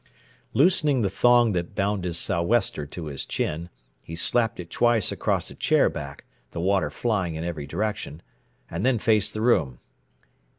Loosening the thong that bound his so'wester to his chin, he slapped it twice across a chair back, the water flying in every direction, and then faced the room.